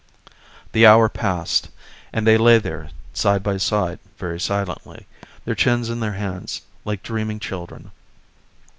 The hour passed and they lay there side by side, very silently, their chins in their hands like dreaming children.